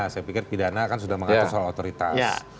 saya pikir pidana kan sudah mengatur soal otoritas